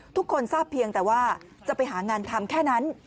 ทุกคนทราบเพียงแต่ว่าจะไปหางานทำแค่นั้น